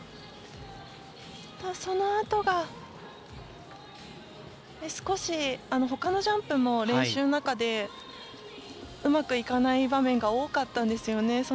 そのあとが少し、ほかのジャンプも練習の中でうまくいかない場面が多かったんですよね。